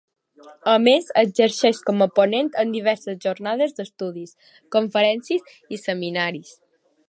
A més, exerceix com a ponent en diverses jornades d'estudis, conferències i seminaris.